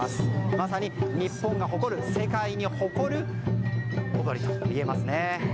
まさに日本が世界に誇る踊りと言えますね。